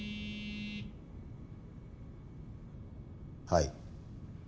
はい。